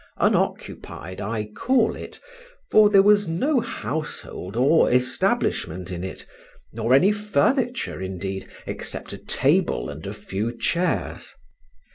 Unoccupied I call it, for there was no household or establishment in it; nor any furniture, indeed, except a table and a few chairs.